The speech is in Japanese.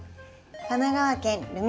神奈川県る